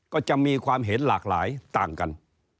ก็จะมีความเห็นหลากหลายต่างกัน